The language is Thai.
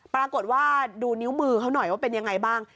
ปรากฏว่าดูนิ้วมือเขาหน่อยว่าเป็นยังไงบ้าง